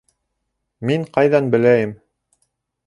Мин ҡайҙан беләйем!